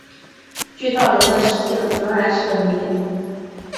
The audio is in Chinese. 巨盗龙的食性仍然是个谜。